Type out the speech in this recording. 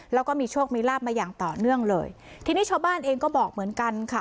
แล้วก็มีโชคมีลาบมาอย่างต่อเนื่องเลยทีนี้ชาวบ้านเองก็บอกเหมือนกันค่ะ